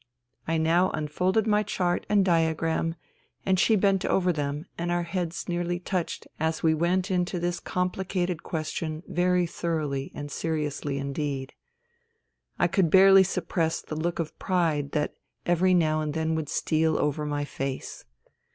I now unfolded my chart and diagram, and she bent over them and our heads nearly touched as we went into this comphcated question very thoroughly and seriously indeed. I could barely suppress the look of pride that every now and then would steal over my face.